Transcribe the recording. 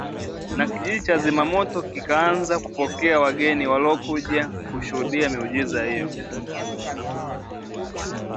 na kijiji cha Zimamoto kikaanza kupokea wageni waliokuja kushuhudia miujiza hiyo